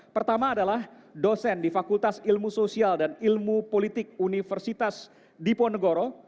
pertama adalah dosen di fakultas ilmu sosial dan ilmu politik universitas diponegoro